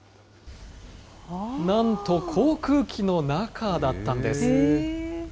なんと航空機の中だったんです。